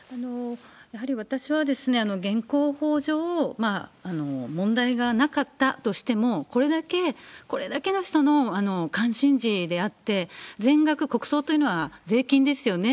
やはり私は現行法上、問題がなかったとしても、これだけ、これだけの人の関心事であって、全額国葬というのは、税金ですよね。